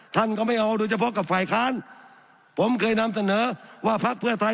ท่านก็ไม่เอาโดยเฉพาะกับฝ่ายค้านผมเคยนำเสนอว่าพักเพื่อไทย